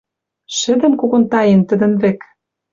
Шӹдӹм когон таен тӹдӹн, вӹк.